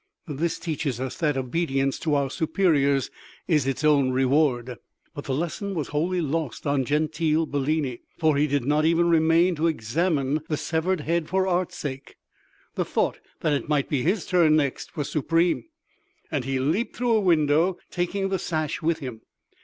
This teaches us that obedience to our superiors is its own reward. But the lesson was wholly lost on Gentile Bellini, for he did not even remain to examine the severed head for art's sake. The thought that it might be his turn next was supreme, and he leaped through a window, taking the sash with him.